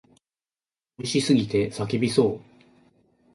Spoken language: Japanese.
美味しすぎて叫びそう。